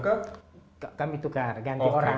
kami tukar ganti orang